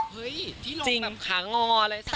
เฮ้ยพี่ลงแบบขางอเลย